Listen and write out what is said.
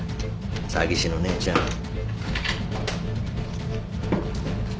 詐欺師の姉ちゃん。